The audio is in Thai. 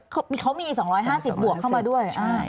เขามี๒๕๐บวกเข้ามาด้วย